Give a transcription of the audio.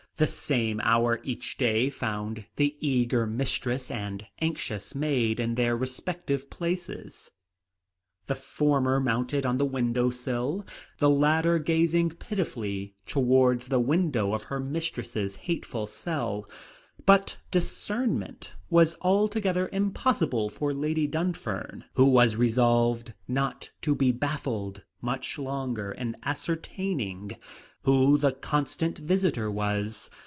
The same hour each day found the eager mistress and anxious maid in their respective places, the former mounted on the window sill, the latter gazing pitifully towards the window of her mistress's hateful cell. But discernment was altogether impossible for Lady Dunfern, who was resolved not to be baffled much longer in ascertaining who the constant visitor was.